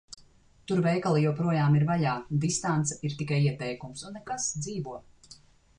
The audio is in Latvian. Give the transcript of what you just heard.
Tur veikali joprojām ir vaļā, distance ir tikai ieteikums, un nekas – dzīvo.